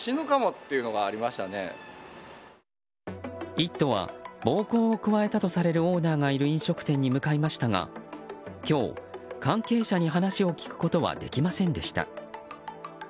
「イット！」は暴行を加えたとされるオーナーがいる飲食店に向かいましたが今日、関係者に話を聞くことはできませんでした。